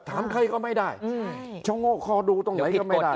ถามใครก็ไม่ได้ชะโงกคอดูตรงไหนก็ไม่ได้